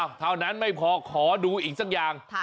เท่านั้นไม่พอขอดูอีกสักอย่าง